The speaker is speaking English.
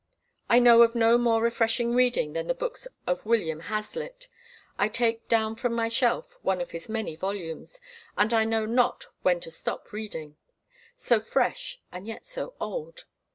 I know of no more refreshing reading than the books of William Hazlitt. I take down from my shelf one of his many volumes, and I know not when to stop reading. So fresh and yet so old!